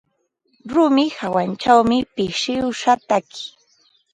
Rumi hawanćhawmi pichiwsa taki.